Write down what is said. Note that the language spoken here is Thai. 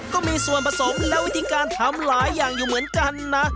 ก็มีส่วนผสมและวิธีการทำหลายอย่างอยู่เหมือนกันนะ